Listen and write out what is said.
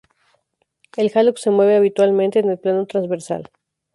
El hallux se mueve habitualmente en el plano transversal.